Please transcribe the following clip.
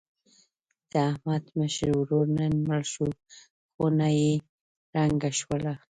د احمد مشر ورور نن مړ شو. خونه یې ړنګه شوله.